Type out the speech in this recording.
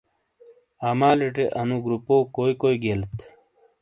اعمالی ٹے انو گروپوں کوئی کوئی گیلیت ؟